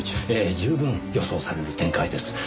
ええ十分予想される展開です。